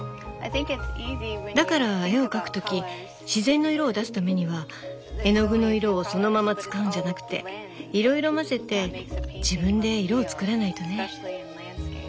だから絵を描く時自然の色を出すためには絵の具の色をそのまま使うんじゃなくていろいろ混ぜて自分で色を作らないとね。